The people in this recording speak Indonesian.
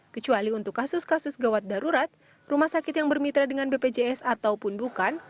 kecuali untuk kasus kasus gawat darurat rumah sakit yang bermitra dengan bpjs ataupun bukan